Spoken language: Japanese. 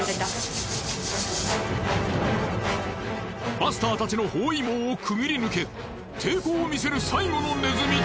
バスターたちの包囲網をくぐり抜け抵抗を見せる最後のネズミ。